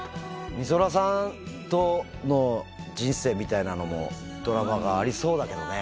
美空さんとの人生みたいなのもドラマがありそうだけどね。